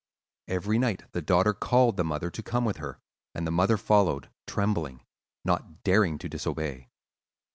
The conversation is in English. Every night the daughter called the mother to come with her; and the mother followed, trembling, not daring to disobey.